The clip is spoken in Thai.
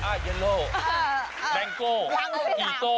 อ้าวเยลโลแดงโก้อีโต้